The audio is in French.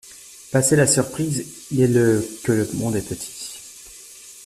Passée la surprise et le « que le monde est petit!